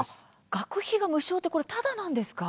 学費が無償ってただなんですか？